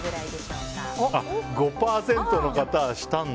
５％の方はしたんだ。